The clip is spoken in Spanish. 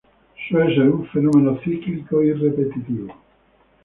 Suele ser un fenómeno cíclico y repetitivo.